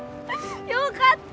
よかった！